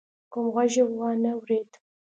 کوم غږ يې وانه ورېد.